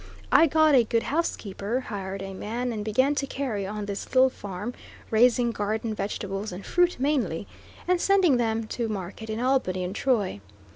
I got a good housekeeper, hired a man, and began to carry on this little farm, raising garden vegetables and fruit mainly, and sending them to market in Albany and Troy.